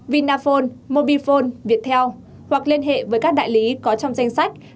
vinaphone mobifone viettel hoặc liên hệ với các đại lý có trong danh sách